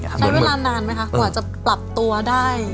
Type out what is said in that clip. ใช้เวลานานไหมคะกว่าจะปรับตัวได้